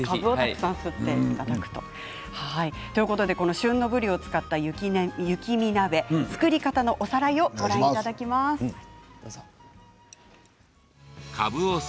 旬のぶりを使った雪見鍋作り方のおさらいをご覧いただきます。